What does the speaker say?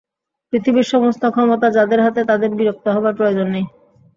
পৃথিবীর সমস্ত ক্ষমতা যাদের হাতে তাদের বিরক্ত হবার প্রয়োজন নেই।